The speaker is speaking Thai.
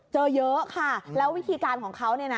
เจอเยอะค่ะแล้ววิธีการของเขา